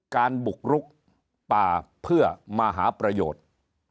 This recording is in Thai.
บุกรุกป่าเพื่อมาหาประโยชน์